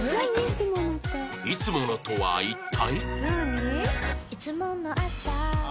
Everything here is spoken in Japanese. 「いつもの」とは一体？